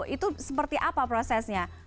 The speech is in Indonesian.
itu seperti apa prosesnya